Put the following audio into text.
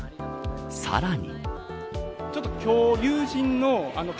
さらに。